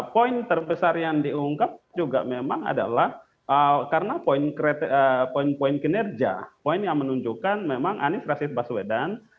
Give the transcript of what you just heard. poin terbesar yang diungkap juga memang adalah karena poin poin kinerja poin yang menunjukkan memang anies rasid baswedan